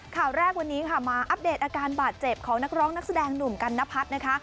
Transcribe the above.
ข่าวแรกวันนี้ค่ะมาอัปเดตอาการบาดเจ็บของนักร้องนักแสดงหนุ่มกันนพัฒน์นะคะ